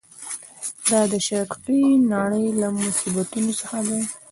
دا د شرقي نړۍ له مصیبتونو څخه دی.